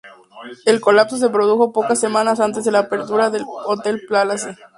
El colapso se produjo pocas semanas antes de la apertura del Hotel Palace.